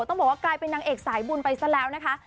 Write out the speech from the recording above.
ต้องบอกว่ากลายเป็นนางเอกสายบุญไปซะแล้วนะคะ